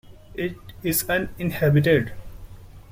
It is uninhabited.